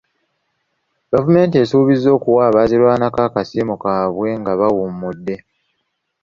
Gavumenti esuubizza okuwa abaazirwanako akasiimo kaabwe nga bawummudde.